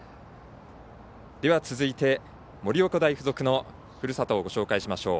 続いて、盛岡大付属のふるさとをご紹介しましょう。